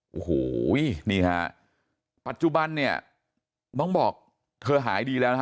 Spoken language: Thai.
โอ้โหนี่ฮะปัจจุบันเนี่ยน้องบอกเธอหายดีแล้วนะฮะ